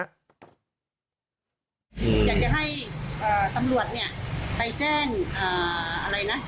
อยากจะให้ตำรวจเนี่ยไปแจ้งอะไรนะ